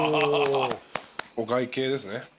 お会計ですね。